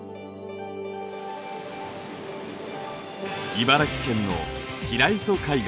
茨城県の平磯海岸。